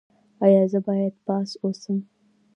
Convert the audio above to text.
ایا زه باید پاس اوسم؟